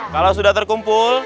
kalau sudah terkumpul